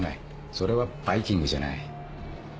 それはバイキングじゃない。